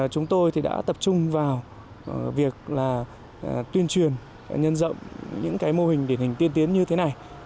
chúng tôi đã tập trung vào việc tuyên truyền nhân rộng những mô hình điển hình tiên tiến như thế này